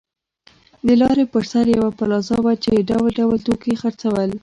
د لارې پر سر یوه پلازه وه چې ډول ډول توکي یې خرڅول.